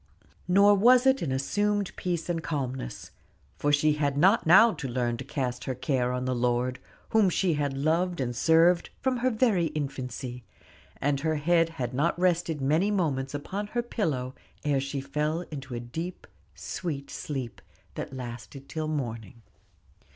Nor was it an assumed peace and calmness; for she had not now to learn to cast her care on the Lord, whom she had loved and served from her very infancy; and her head had not rested many moments upon her pillow ere she fell into a deep, sweet sleep, that lasted until morning.